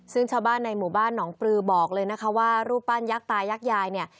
ซึ่งชาวบ้านในหมู่บ้านหนองปลือบอกเลยนะคะว่ารูปปั้นยักษ์ตายักยายเนี่ย